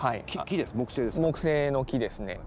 木製の木ですね。